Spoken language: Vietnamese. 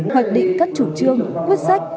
hoạch định các chủ trương quyết sách